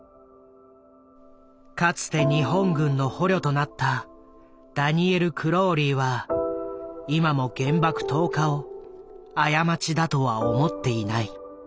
かつて日本軍の捕虜となったダニエル・クローリーは今も原爆投下を過ちだとは思っていない。